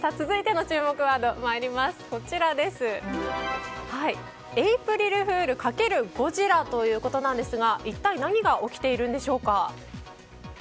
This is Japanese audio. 続いての注目ワードはエイプリルフール×ゴジラということなんですが一体何が起きているんでしょうか。